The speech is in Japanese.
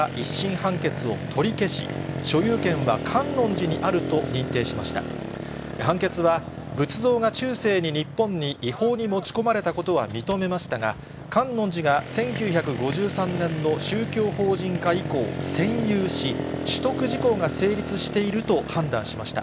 判決は、仏像が中世に日本に違法に持ち込まれたことは認めましたが、観音寺が１９５３年の宗教法人化以降占有し、取得時効が成立していると判断しました。